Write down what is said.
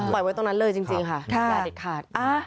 ปล่อยไว้ตรงนั้นเลยจริงค่ะ